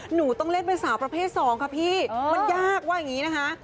หนูต้องเล่นเป็นสาวประเภทสองค่ะพี่มันยากว่าอย่างนี้นะคะ